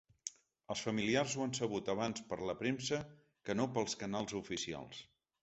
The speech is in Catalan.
Els familiars ho han sabut abans per la premsa que no pels canals oficials.